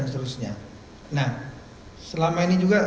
nah selama ini juga